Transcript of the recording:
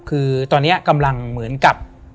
คือตอนนี้กำลังเหมือนกับ